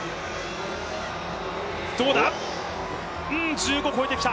１５越えてきた。